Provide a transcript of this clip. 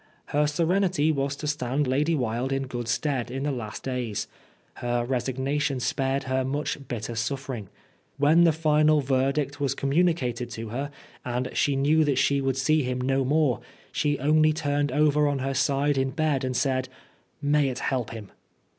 Her serenity was to stand Lady Wilde in good stead in the last days ; her resignation spared her much bitter suffering. When the final verdict was com municated to her, and she knew that she would see him no more, she only turned over on her side in bed and said, "May it help him!"